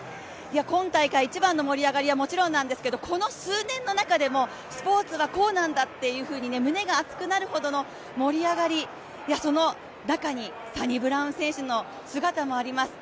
今大会の一番の盛り上がりはもちろんなんですけど、スポーツはこうなんだと胸が熱くなるほどの盛り上がり、その中にサニブラウン選手の姿もあります。